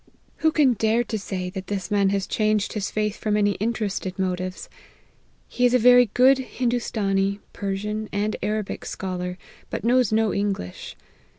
Who can dare to say, that this man has changed his faith from any interested motives ? He is a very good Hindoostanee, Persian, and Arabic scholar, but knows no English.